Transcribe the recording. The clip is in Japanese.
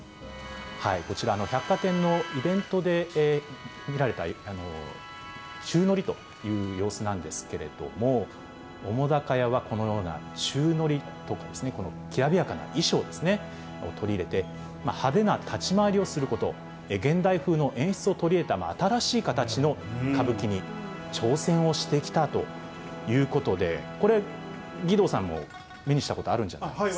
こちら、百貨店のイベントで見られた宙乗りという様子なんですけれども、澤瀉屋はこのような宙乗りですとか、このきらびやかな衣装ですね、を取り入れて、派手な立ち回りをすること、現代風の演出を取り入れた、新しい形の歌舞伎に挑戦をしてきたということで、これ、義堂さんも目にしたことあるんじゃないですか。